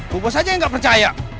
bobas aja yang gak percaya